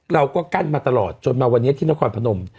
เราก็กั้นมาตลอดจนมาวันนี้ที่นครพนม